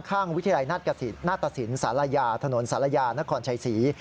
ข้างวิทยาลัยหน้าตสินศาลายาถนนศาลยานครชัยศรี